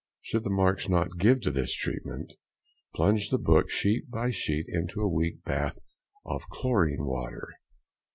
Should the marks not give to this treatment, plunge the book, sheet by sheet, into a weak bath of chlorine water.